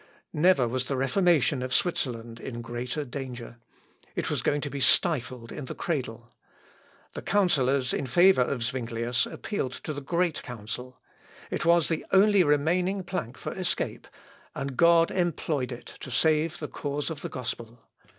Never was the Reformation of Switzerland in greater danger. It was going to be stifled in the cradle. The counsellors in favour of Zuinglius appealed to the Great Council. It was the only remaining plank for escape, and God employed it to save the cause of the gospel.